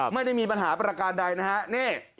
ไม่ได้มีปัญหาประการใดนะฮะนี่